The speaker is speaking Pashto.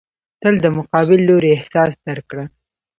تل د مقابل لوري احساس درک کړه.